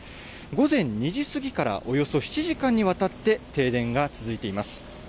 午前２時過ぎからおよそ７時間にわたって停電が続いています。